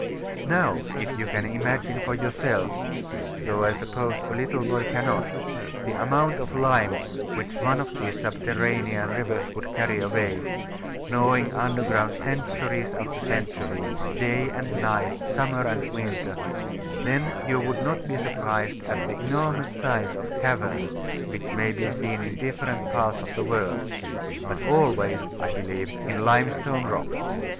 Now if you can imagine for yourself (though I suppose a little boy cannot) the amount of lime which one of these subterranean rivers would carry away, gnawing underground centuries after centuries, day and night, summer and winter, then you will not be surprised at the enormous size of caverns which may be seen in different parts of the world but always, I believe, in limestone rock.